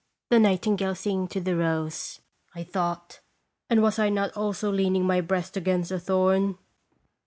The nightingale singing to the rose, I thought ; and was I not also leaning my breast against a thorn